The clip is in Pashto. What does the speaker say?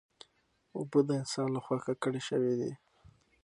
اوبه د انسان له خوا ککړې شوې دي.